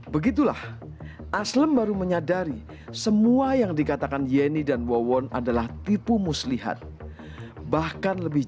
begitulah aslem baru menyadari semua yang dikatakan yeni dan wawon adalah tipu muslihat bahkan lebih